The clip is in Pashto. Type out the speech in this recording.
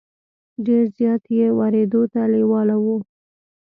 ډېر زیات یې ورېدو ته لېواله وو.